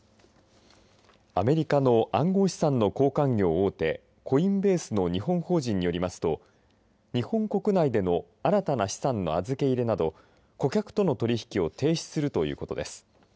アメリカの暗号資産の交換業大手コインベースの日本法人によりますと日本国内での新たな資産の預け入れなど顧客との取り引きを停止するということです。